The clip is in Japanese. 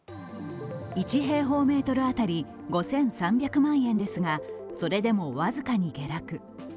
１平方メートル当たり５３００万円ですが、それでも僅かに下落。